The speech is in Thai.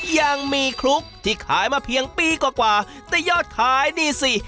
ยังมีคลุกที่ขายมาเพียงปีกว่าแต่ยอดขายดีสิ